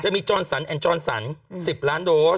จะมีจอนสรรแอนด์จอนสรร๑๐ล้านโดส